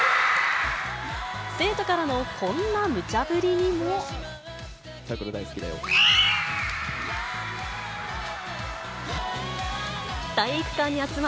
生徒からのこんなむちゃ振りさくら